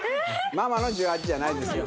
ママの１８じゃないですよ